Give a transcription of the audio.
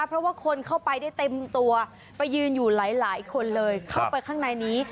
เพราะว่าคนเข้าไปได้เต็มตัวไปยืนอยู่หลายคนเลยเข้าไปข้างในนี้